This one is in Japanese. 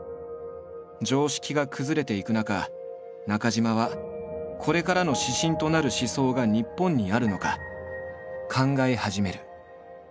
常識が崩れていく中中島はこれからの指針となる思想が日本にあるのか考え始める。